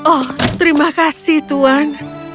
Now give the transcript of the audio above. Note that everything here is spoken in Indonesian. oh terima kasih tuhan